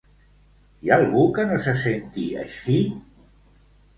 Hi ha algú que no se senti així?